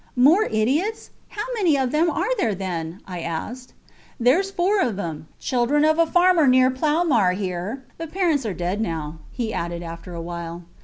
More idiots? How many of them are there, then? I asked. Theres four of them children of a farmer near Ploumar here. ... The parents are dead now, he added, after a while.